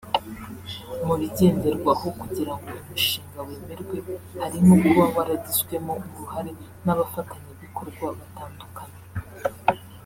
Mu bigenderwaho kugira ngo umushinga wemerwe harimo kuba waragizwemo uruhare n’abafatanyabikorwa batandukanye